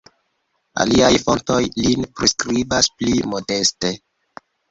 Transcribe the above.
Aliaj fontoj lin priskribas pli modeste.